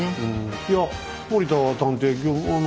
いや森田探偵